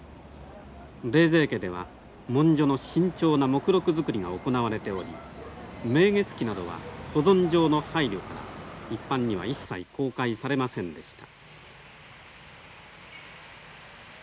冷泉家では文書の慎重な目録作りが行われており「明月記」などは保存上の配慮から一般には一切公開されませんでした。